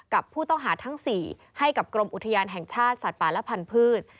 กับผู้ต้องหาทั้ง๔ให้กับกรมอุทยานแห่งชาติสัตว์ป่าและพันธุ์